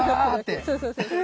そうそうそうそうそう。